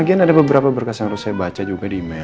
mungkin ada beberapa berkas yang harus saya baca juga di email